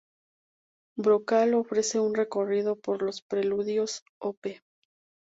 Brocal ofrece un recorrido por los Preludios Op.